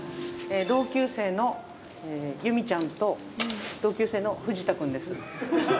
同級生のユミちゃんと同級生の藤田君です。